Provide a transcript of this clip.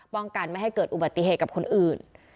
ป้องกันไม่ให้เกิดอุบัติเหตุกับคนอื่น